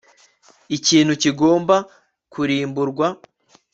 ikintu kigomba kurimburwa